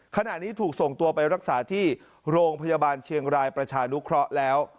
ขณะนี้ถูกส่งตัวไปรักษาที่โรงพยาบาลเชียงรายประชานุเคราะห์แล้ว